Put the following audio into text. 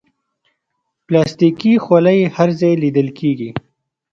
پلاستيکي خولۍ هر ځای لیدل کېږي.